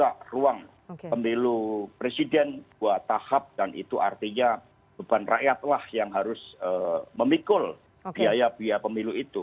ada ruang pemilu presiden dua tahap dan itu artinya beban rakyatlah yang harus memikul biaya biaya pemilu itu